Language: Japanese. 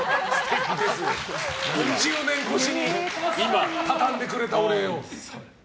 うん十年越しに畳んでくれたお礼を。